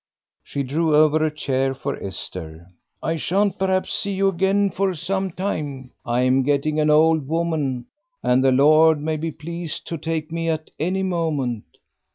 She drew over a chair for Esther. "I shan't perhaps see you again for some time. I am getting an old woman, and the Lord may be pleased to take me at any moment.